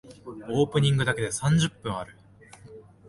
オープニングだけで三十分ある。